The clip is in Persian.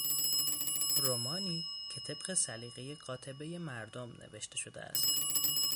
رمانی که طبق سلیقهی قاطبهی مردم نوشته شده است.